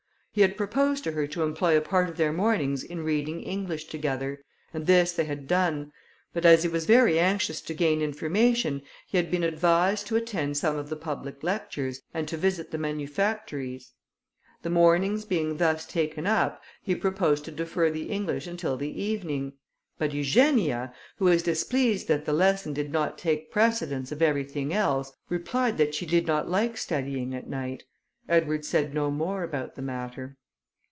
He had proposed to her to employ a part of their mornings in reading English together, and this they had done; but as he was very anxious to gain information, he had been advised to attend some of the public lectures, and to visit the manufactories. The mornings being thus taken up, he proposed to defer the English until the evening; but Eugenia, who was displeased that the lesson did not take precedence of everything else, replied that she did not like studying at night. Edward said no more about the matter.